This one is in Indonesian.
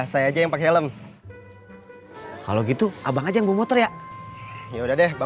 saya aja yang pakai helm kalau gitu abang aja yang motor ya ya udah deh bang